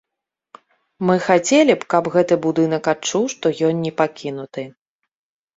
Мы хацелі б, каб гэты будынак адчуў, што ён не пакінуты.